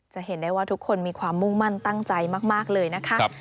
จะเห็นได้ว่าทุกคนมีความมุ่งมั่นตั้งใจมากเลยนะคะ